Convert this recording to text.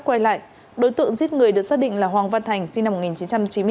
quay lại đối tượng giết người được xác định là hoàng văn thành sinh năm một nghìn chín trăm chín mươi bốn